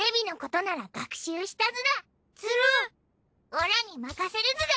オラに任せるズラ。